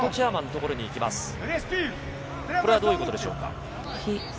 これはどういうことでしょう？